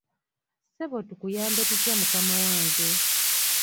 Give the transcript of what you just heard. Ssebo tukuyambe tutya mukama wange?